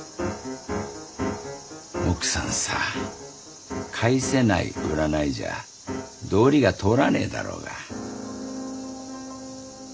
奥さんさ「返せない」「売らない」じゃ道理が通らねえだろうが。